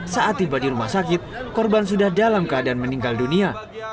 saat tiba di rumah sakit korban sudah dalam keadaan meninggal dunia